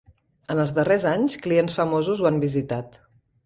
En els darrers anys, clients famosos ho han visitat.